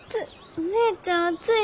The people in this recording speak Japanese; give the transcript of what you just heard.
お姉ちゃん熱いよ！